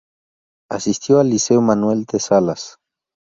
Asistió al Liceo Manuel de Salas.